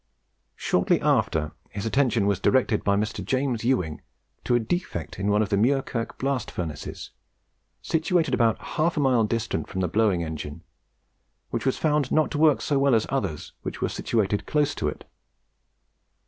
Shortly after, his attention was directed by Mr. James Ewing to a defect in one of the Muirkirk blast furnaces, situated about half a mile distant from the blowing engine, which was found not to work so well as others which were situated close to it.